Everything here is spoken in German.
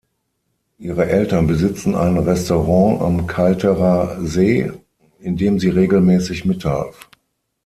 Ihre Eltern besitzen ein Restaurant am Kalterer See, in dem sie regelmäßig mithalf.